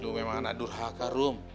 lu memang anak durhaka rom